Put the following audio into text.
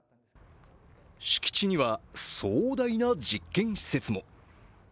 敷地には壮大な実験施設も。